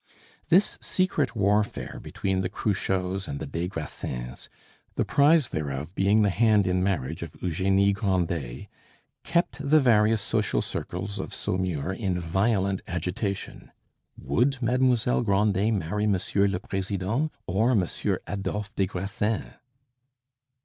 This secret warfare between the Cruchots and des Grassins, the prize thereof being the hand in marriage of Eugenie Grandet, kept the various social circles of Saumur in violent agitation. Would Mademoiselle Grandet marry Monsieur le president or Monsieur Adolphe des Grassins?